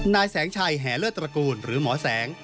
นายแสงชัยแห่เลิศตระกูลหรือหมอแสง